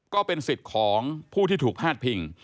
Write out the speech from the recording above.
ก็เป็นสิทธิ์ของผู้ที่ถูกพาดพิง